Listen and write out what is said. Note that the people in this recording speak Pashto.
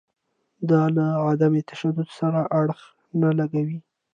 دا له عدم تشدد سره اړخ نه لګوي.